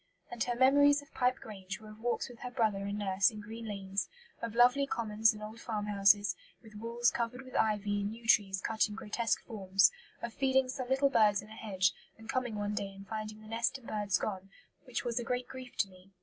And her memories of Pipe Grange were of walks with her brother and nurse in green lanes; of lovely commons and old farmhouses, with walls covered with ivy and yew trees cut in grotesque forms; of "feeding some little birds in a hedge, and coming one day and finding the nest and birds gone, which was a great grief to me."